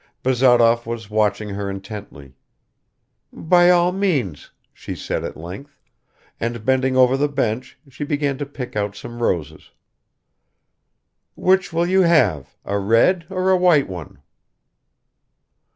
Bazarov was watching her intently. "By all means," she said at length, and bending over the bench she began to pick out some roses. "Which will you have a red or a white one?"